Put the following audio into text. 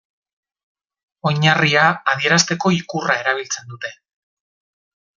Oinarria adierazteko ikurra erabiltzen dute.